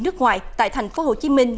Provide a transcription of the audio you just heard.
nước ngoài tại thành phố hồ chí minh